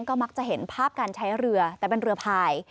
ก็มักจะเห็นภาพการใช้เรือแต่เป็นเรือพาย